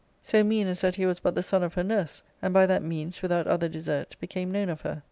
— Book IL mean as that he was but the son of her nurse, and hy that means, without other desert, became known of her.